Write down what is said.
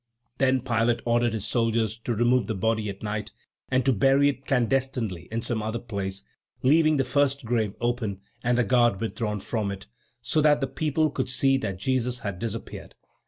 Then Pilate ordered his soldiers to remove the body at night, and to bury it clandestinely in some other place, leaving the first grave open and the guard withdrawn from it, so that the people could see that Jesus had disappeared.